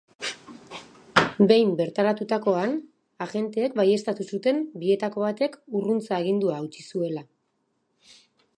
Behin bertaratutakoan, agenteek baieztatu zuten bietako batek urruntze agindua hautsi zuela.